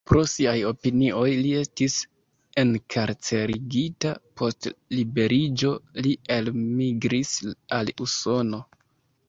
Pro siaj opinioj li estis enkarcerigita, post liberiĝo li elmigris al Usono.